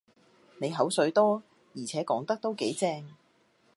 你口水多，而且講得都幾正